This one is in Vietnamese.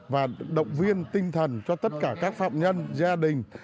và động viên tinh thần cho tất cả các phạm nhân gia đình